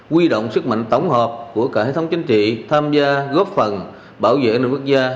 quy động sức mạnh tổng hợp của cả hệ thống chính trị tham gia góp phần bảo vệ an ninh quốc gia